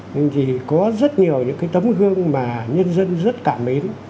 nên thì có rất nhiều những cái tấm gương mà nhân dân rất cảm mến